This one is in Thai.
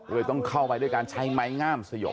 ต้องเข้าไปด้วยการใช้ไม้งามสยบ